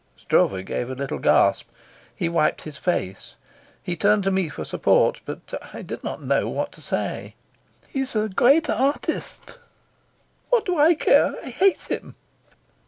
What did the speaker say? Stroeve gave a little gasp. He wiped his face. He turned to me for support, but I did not know what to say. "He's a great artist." "What do I care? I hate him."